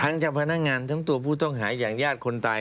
เจ้าพนักงานทั้งตัวผู้ต้องหาอย่างญาติคนตาย